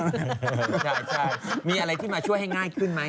ใช่มีอะไรที่มาช่วยให้ง่ายขึ้นไหม